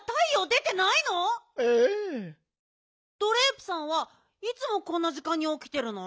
ドレープさんはいつもこんなじかんにおきてるの？